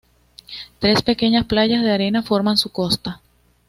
Tres pequeñas playas de arena forman su costa.